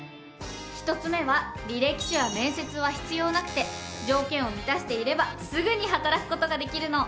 １つ目は履歴書や面接は必要なくて条件を満たしていればすぐに働く事ができるの。